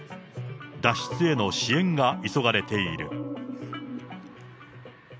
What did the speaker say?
脱出への支援が急がれている。